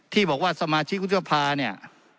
ที่บอกว่าสมาชิกวุฒิภาเนี่ย